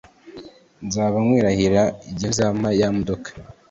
Nzaba nkwirahira igihe uzampa yamodoka